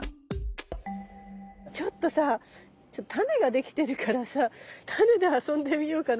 ちょっとさタネができてるからさタネで遊んでみようかなと。